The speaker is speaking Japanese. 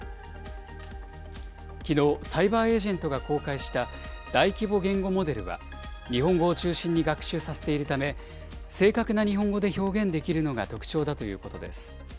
きのう、サイバーエージェントが公開した大規模言語モデルは、日本語を中心に学習させているため、正確な日本語で表現できるのが特徴だということです。